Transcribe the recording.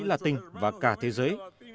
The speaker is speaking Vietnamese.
latin và cả thế giới